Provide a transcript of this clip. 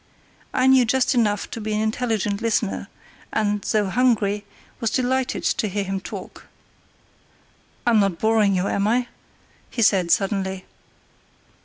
I knew just enough to be an intelligent listener, and, though hungry, was delighted to hear him talk. "I'm not boring you, am I?" he said, suddenly.